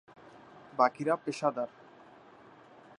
বাকিরা পেশাদার।